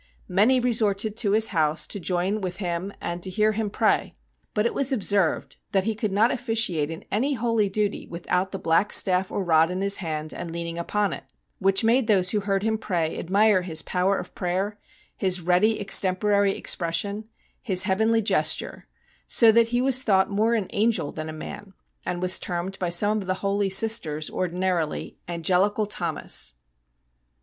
Many resorted to his house to join with him and to hear him pray ; but it was observed that he could not officiate in any holy duty without the black staff or rod in his hand and lean ing upon it, which made those who heard him pray admire his power of prayer, his ready extemporary expression, his heavenly gesture, so that he was thought more an angel than a man, and was termed by some of the holy sisters ordinarily " Angelical Thomas."